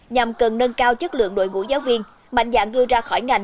nhằm cần nâng cao chất lượng đội ngũ giáo viên mạnh dạng đưa ra khỏi ngành